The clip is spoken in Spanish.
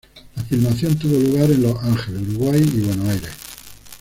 La filmación tuvo lugar en Los Ángeles, Uruguay, y Buenos Aires.